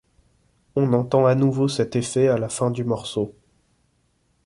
On entend à nouveau cet effet à la fin du morceau.